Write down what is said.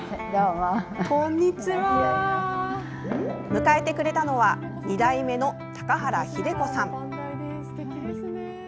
迎えてくれたのは２代目の高原偉子さん。